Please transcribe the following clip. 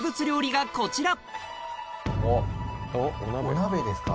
お鍋ですか。